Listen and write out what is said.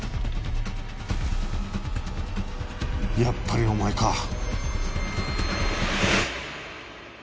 やっぱりお前か。